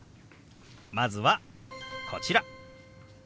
まずはこちら。